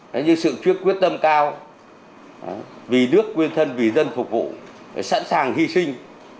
đấy như sự quyết tâm cao vì nước quên thân vì dân phục vụ sẵn sàng hy sinh